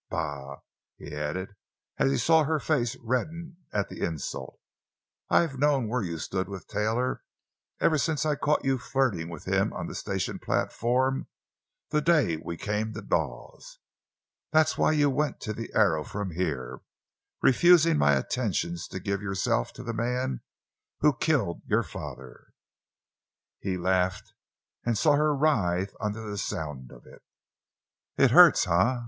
Bah!" he added as he saw her face redden at the insult; "I've known where you stood with Taylor ever since I caught you flirting with him on the station platform the day we came to Dawes. That's why you went to the Arrow from here—refusing my attentions to give yourself to the man who killed your father!" He laughed, and saw her writhe under the sound of it. "It hurts, eh?"